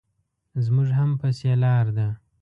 زموږ هم پسې لار ده.